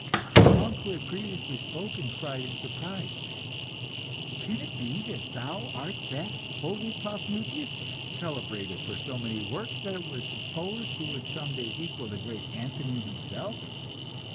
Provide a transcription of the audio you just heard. The monk who had previously spoken, cried in surprise "Can it be that thou art that holy Paphnutius, celebrated for so many works that it was supposed he would some day equal the great Anthony himself?